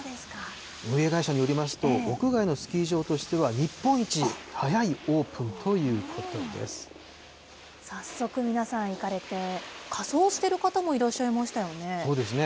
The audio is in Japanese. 運営会社によりますと、屋外のスキー場としては日本一早いオープ早速、皆さん行かれて、仮装してる方もいらっしゃいましたよね。